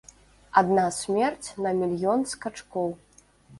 Адна смерць на мільён скачкоў.